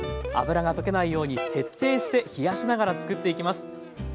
油が溶けないように徹底して冷やしながら作っていきます。